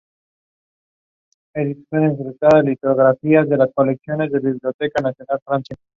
El acuerdo duró un año.